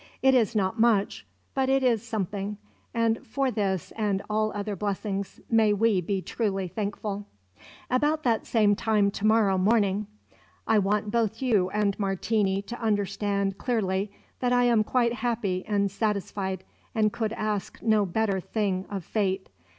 It is not much, but it is something; and for this and all other blessings may we be truly thankful! "About that same to morrow morning, I want both you and Martini to understand clearly that I am quite happy and satisfied, and could ask no better thing of Fate.